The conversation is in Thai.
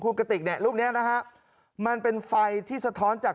คุณกติกเนี่ยรูปเนี้ยนะฮะมันเป็นไฟที่สะท้อนจาก